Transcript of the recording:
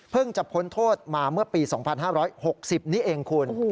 เพิ่งจับพ้นโทษมาเมื่อปี๒๕๖๐นี่เองคุณ